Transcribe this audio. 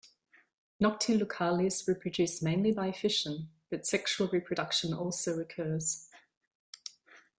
Noctilucales reproduce mainly by fission, but sexual reproduction also occurs.